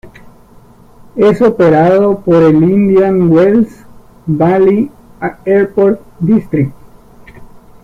Es operado por el Indian Wells Valley Airport District.